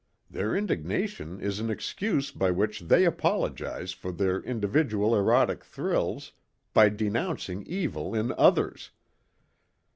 Their indignation is an excuse by which they apologize for their individual erotic thrills by denouncing evil in others.